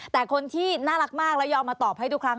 แต่คนที่น่ารักมากแล้วยอมมาตอบให้ทุกครั้ง